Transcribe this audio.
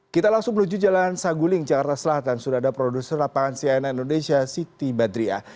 kita langsung menuju jalan saguling jakarta selatan sudah ada produser lapangan cnn indonesia siti badriah